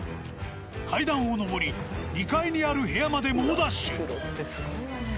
階段を上り、２階にある部屋まで猛ダッシュ。